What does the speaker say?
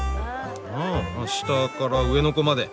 うん下から上の子まで。